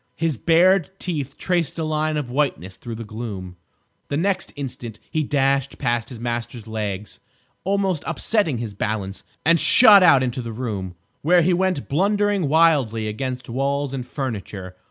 His bared teeth traced a line of whiteness through the gloom. The next instant he dashed past his master's legs, almost upsetting his balance, and shot out into the room, where he went blundering wildly against walls and furniture.